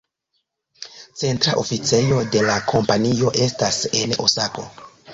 Centra oficejo de la kompanio estas en Osako.